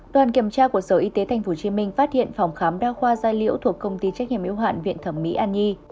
đoàn kiểm tra của sở y tế tp hcm phát hiện phòng khám đa khoa giai liễu thuộc công ty trách nhiệm yếu hạn viện thẩm mỹ an nhi